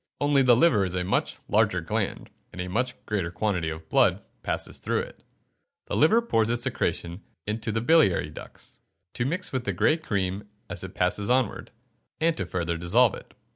Only the liver is a much larger gland, and a much greater quantity of blood passes through it. The liver pours its secretion into the biliary duct (Fig. 49) to mix with the grey cream as it passes onward, and to further dissolve it.